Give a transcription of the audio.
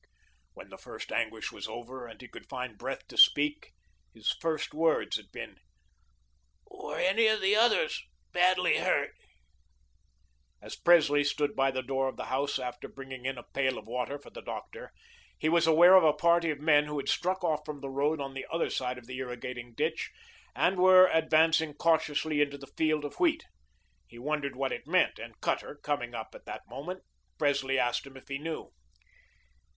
When the worst anguish was over and he could find breath to speak, his first words had been: "Were any of the others badly hurt?" As Presley stood by the door of the house after bringing in a pail of water for the doctor, he was aware of a party of men who had struck off from the road on the other side of the irrigating ditch and were advancing cautiously into the field of wheat. He wondered what it meant and Cutter, coming up at that moment, Presley asked him if he knew.